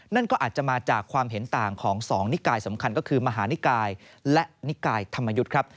นั่นก็อาจจะมาจากความเห็นต่างของ๒นิกายสำคัญก็คือมหานิกายและนิกายธรรมยุทธ์ครับ